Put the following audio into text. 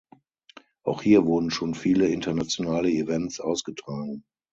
Auch hier wurden schon viele internationale Events ausgetragen.